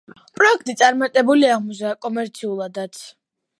პროექტი წარმატებული აღმოჩნდა კომერციულადაც.